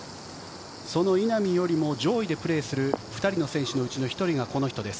その稲見よりも上位でプレーする２人の選手のうちの１人がこの人です。